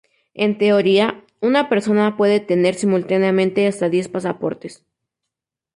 En teoría, una persona puede tener simultáneamente hasta diez pasaportes.